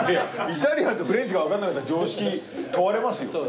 イタリアンとフレンチが分かんなかったら常識問われますよ。